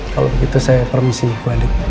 kalau begitu saya permisi bu andien